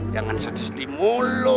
jangan sedih sedih mulu